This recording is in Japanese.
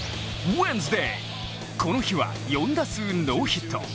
この日は４打数ノーヒット。